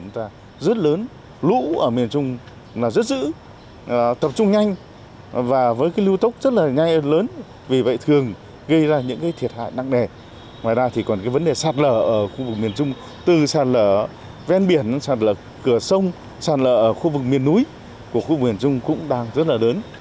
tại miền trung khu vực miền núi cũng đang rất lớn